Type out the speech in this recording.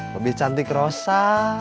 lebih cantik rosa